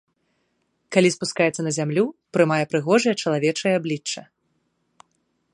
Калі спускаецца на зямлю, прымае прыгожае чалавечае аблічча.